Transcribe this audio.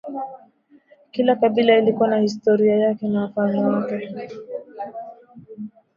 kila kabila lilikuwa na historia yake na wafalme wake